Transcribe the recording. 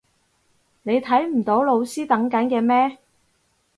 你睇唔到老師等緊嘅咩？